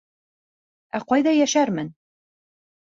Ә ҡайҙа йәшәрмен?